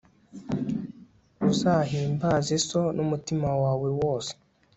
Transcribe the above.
uzahimbaze so n'umutima wawe wose